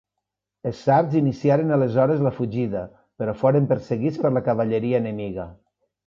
Els sards iniciaren aleshores la fugida, però foren perseguits per la cavalleria enemiga.